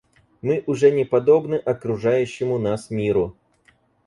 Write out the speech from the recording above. Мы уже не подобны окружающему нас миру.